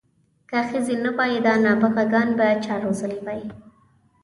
که ښځې نه وای دا نابغه ګان به چا روزلي وی.